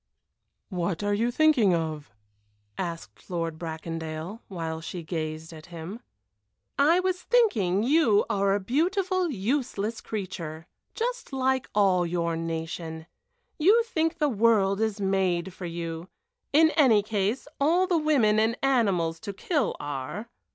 "What are you thinking of?" asked Lord Bracondale, while she gazed at him. "I was thinking you are a beautiful, useless creature. Just like all your nation. You think the world is made for you; in any case, all the women and animals to kill are."